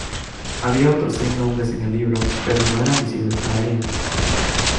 Había otros seis nombres en el libro, pero no eran visibles para ella.